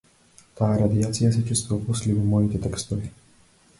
Таа радијација се чувствува после и во моите текстови.